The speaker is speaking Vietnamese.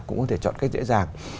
cũng có thể chọn cách dễ dàng